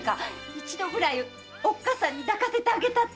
一度くらいおっかさんに抱かせてあげたって。